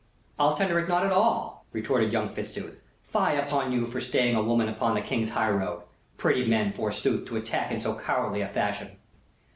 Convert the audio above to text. "I'll tender it not at all," retorted young Fitzooth. "Fie upon you for staying a woman upon the King's highroad! Pretty men, forsooth, to attack in so cowardly a fashion!"